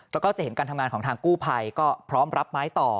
แล้วก็จะเห็นการทำงานของทางกู้ภัยก็พร้อมรับไม้ต่อ